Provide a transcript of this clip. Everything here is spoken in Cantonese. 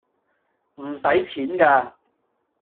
唔使錢㗎